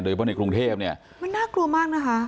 เพราะในกรุงเทพเนี่ยมันน่ากลัวมากนะคะ